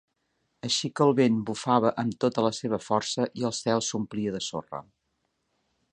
Així que el vent bufava amb tota la seva força i el cel s'omplia de sorra.